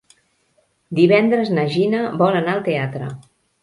Divendres na Gina vol anar al teatre.